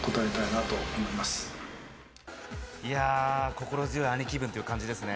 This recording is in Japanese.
心強い兄貴分という感じですね。